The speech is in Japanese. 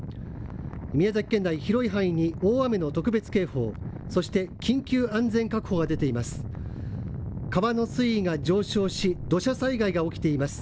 宮崎県内、広い範囲に大雨の特別警報、そして緊急安全確保が出ています。